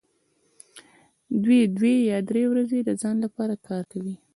دوی دوې یا درې ورځې د ځان لپاره کار کوي